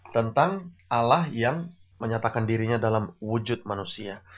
tentang allah yang menyatakan dirinya dalam wujud manusia